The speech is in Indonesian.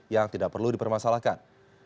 yang tidak perlu dipermasalahkan